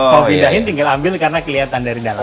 mau pindahin tinggal ambil karena kelihatan dari dalam